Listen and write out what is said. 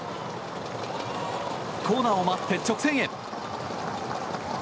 コーナーを回って直線へ。